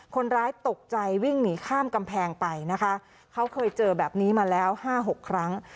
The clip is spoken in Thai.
คนร้ายตกใจวิ่งหนีข้ามกำแพงไปนะคะเขาเคยเจอแบบนี้มาแล้วห้าหกครั้ง